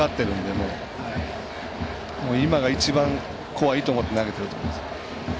もう、今が一番怖いと思って投げてると思います。